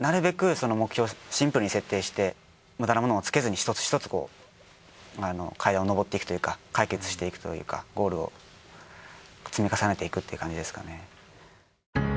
その目標をシンプルに設定して無駄なものをつけずに一つひとつこう階段を上っていくというか解決していくというかゴールを積み重ねていくっていう感じですかね。